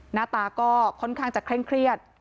หน้าตาก็ค่อนข้างจะเคร่งเครียด